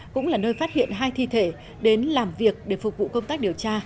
cũng là nơi phát hiện hai thi thể đến làm việc để phục vụ công tác điều tra